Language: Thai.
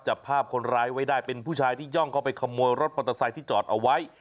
จับภาพคนร้ายไว้ได้เป็นผู้ชายที่ย่องเข้าไปขโมยรถมอเตอร์ไซค์ที่จอดเอาไว้